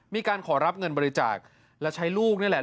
มีการขอรับเงินบริจาคและใช้ลูกนี่แหละ